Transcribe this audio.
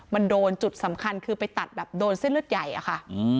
มันโดนจุดสำคัญคือไปตัดแบบโดนเส้นเลือดใหญ่อะค่ะ